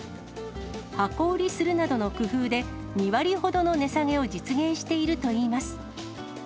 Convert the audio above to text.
箱売りするなどの工夫で、２割ほどの値下げを実現しているといいます。